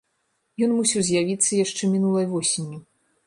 Ён мусіў з'явіцца яшчэ мінулай восенню.